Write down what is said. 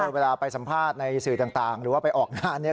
เวลาไปสัมภาษณ์ในสื่อต่างหรือว่าไปออกงานเนี่ย